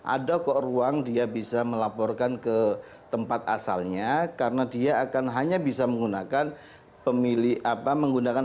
ada kok ruang dia bisa melaporkan ke tempat asalnya karena dia akan hanya bisa menggunakan hak pilihnya di tempat asal